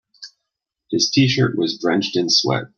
His t-shirt was drenched in sweat.